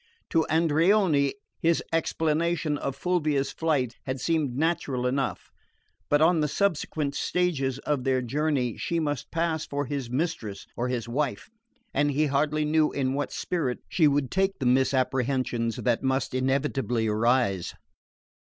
To Andreoni his explanation of Fulvia's flight had seemed natural enough; but on the subsequent stages of their journey she must pass for his mistress or his wife, and he hardly knew in what spirit she would take the misapprehensions that must inevitably arise.